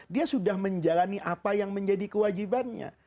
dia sudah menjalani apa yang menjadi kewajibannya